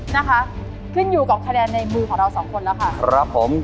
นะคะขึ้นอยู่กับคะแนนในมือของเราสองคนแล้วค่ะครับผม